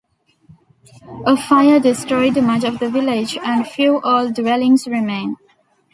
A fire destroyed much of the village, and few old dwellings remain.